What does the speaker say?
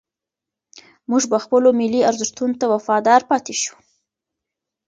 موږ به خپلو ملي ارزښتونو ته وفادار پاتې شو.